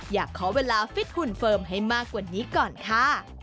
อยากขอเวลาฟิตหุ่นเฟิร์มให้มากกว่านี้ก่อนค่ะ